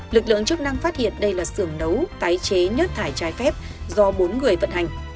lực lượng chức năng phát hiện đây là xưởng nấu tái chế nhớt tải trái phép do bốn người vận hành